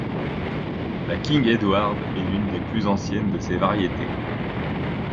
La 'King Edward' est l'une des plus anciennes de ces variétés.